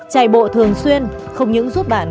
chạy bộ thường xuyên không những giúp bạn